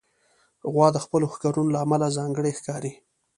غوا د خپلو ښکرونو له امله ځانګړې ښکاري.